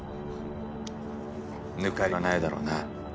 抜かりはないだろうな。